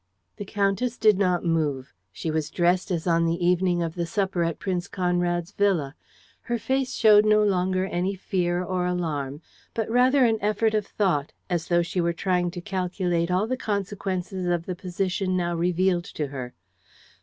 The countess did not move. She was dressed as on the evening of the supper at Prince Conrad's villa. Her face showed no longer any fear or alarm, but rather an effort of thought, as though she were trying to calculate all the consequences of the position now revealed to her.